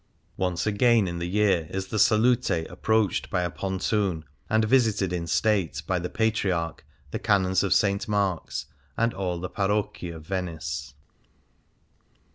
Once again in the year is the Salute ap 123 Things Seen in Venice proached by a pontoon, and visited in state by the Patriarch, the Canons of St. Mark's, and al] the parocchi of Venice.